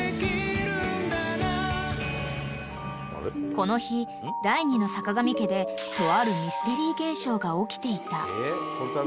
［この日第２のさかがみ家でとあるミステリー現象が起きていた］